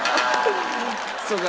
そうか。